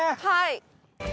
はい。